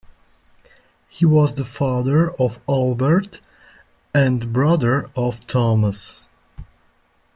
He was the father of Albert and brother of Thomas.